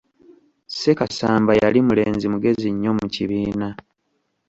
Sekasamba yali mulenzi mugezi nnyo mu kibiina.